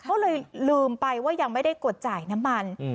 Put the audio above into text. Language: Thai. ก็เลยลืมไปว่ายังไม่ได้กดจ่ายน้ำมัน